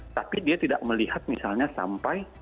tapi dia tidak melihat misalnya sampai